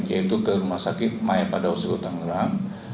yaitu ke rumah sakit mayapada hospital tangerang